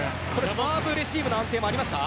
サーブレシーブの安定もありますか。